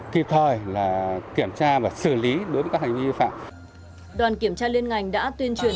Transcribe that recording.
kịp thời kiểm tra và xử lý đối với các hành vi vi phạm đoàn kiểm tra liên ngành đã tuyên truyền